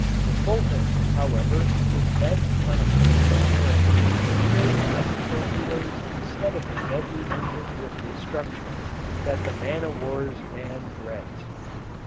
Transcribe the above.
The Fulton, however, was bent on a peaceful errand, and carried dummy torpedoes instead of the deadly engines of destruction that the man o' war's man dreads.